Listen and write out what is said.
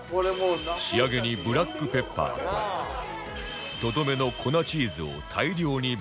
仕上げにブラックペッパーととどめの粉チーズを大量にぶっかけ